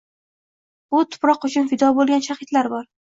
Bu tuproq uchun fido bo‘lgan shahidlar bor.